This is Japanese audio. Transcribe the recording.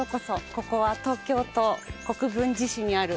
ここは東京都国分寺市にある畑です。